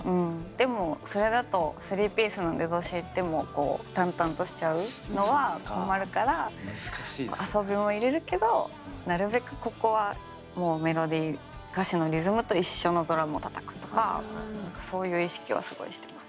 でもそれだと３ピースの出だしでも淡々としちゃうのは困るから遊びも入れるけどなるべくここはメロディー歌詞のリズムと一緒のドラムをたたくとかそういう意識はすごいしてます。